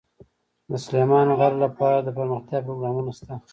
د سلیمان غر لپاره دپرمختیا پروګرامونه شته.